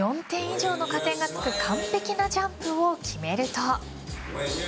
４点以上の加点が完璧なジャンプを決めると。